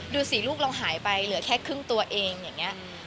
ดูสิลูกเราหายไปเหลือแค่ครึ่งตัวเอง